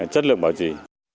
chất lượng bảo trì